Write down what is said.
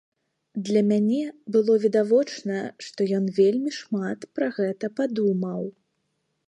Для мяне было відавочна, што ён вельмі шмат пра гэта падумаў.